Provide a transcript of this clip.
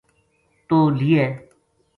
توہ لیے